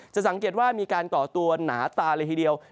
สังเกตว่ามีการก่อตัวหนาตาเลยทีเดียว